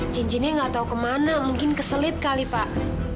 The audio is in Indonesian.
cincinnya nggak tahu ke mana mungkin keselip kali pak